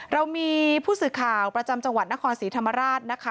เรามีผู้สื่อข่าวประจำจังหวัดนครศรีธรรมราชนะคะ